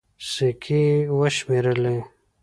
سيکې يې وشمېرلې.